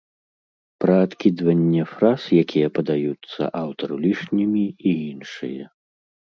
Пра адкідванне фраз, якія падаюцца аўтару лішнімі і іншае.